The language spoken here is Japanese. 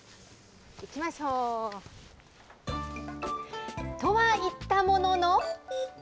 行きましょう。とは言ったものの。